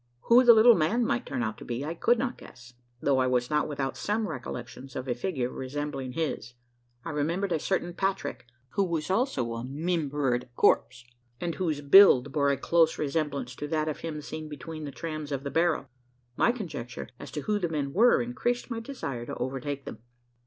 Who the little man might turn out to be, I could not guess though I was not without some recollections of a figure resembling his. I remembered a certain Patrick, who was also a "mimber of the corpse," and whose build bore a close resemblance to that of him seen between the trams of the barrow. My conjecture as to who the men were, increased my desire to overtake them.